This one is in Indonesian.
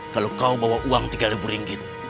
kalau kau bawa uang tiga ribu ringgit